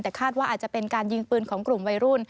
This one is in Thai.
แต่คาดว่าอาจจะเป็นการยิงปืนของกลุ่มวัยรุ่น